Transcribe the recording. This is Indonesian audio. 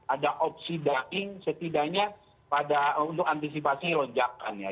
ada opsi daing setidaknya untuk antisipasi lonjakan ya